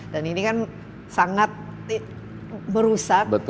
dan ini kan sangat merusak